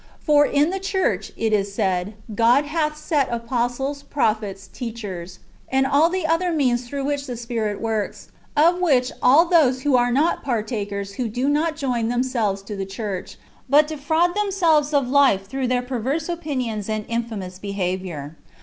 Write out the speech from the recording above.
" For in the church/' it is said, "God hath set apostles, prophets, teachers,"^ and all the other means through which the Spirit works ; of which all those are not partakers who do not join themselves to the church, but defraud themselves of life through their perverse opinions and infamous behaviour.